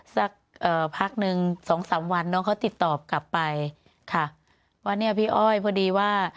เอ่อพักหนึ่งสองสามวันน้องเขาติดต่อกลับไปค่ะว่าเนี่ยพี่อ้อยพอดีว่า